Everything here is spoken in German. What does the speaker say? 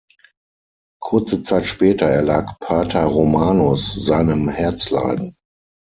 Kurze Zeit später erlag Pater Romanus seinem Herzleiden.